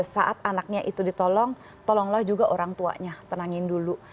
saat anaknya itu ditolong tolonglah juga orang tuanya tenangin dulu